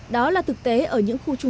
đó là thực tế ở những khu vực này